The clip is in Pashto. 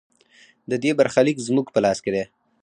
د دې برخلیک زموږ په لاس کې دی